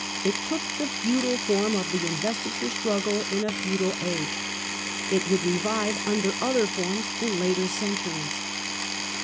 It took the feudal form of the investiture struggle in a feudal age. It would revive under other forms in later centuries.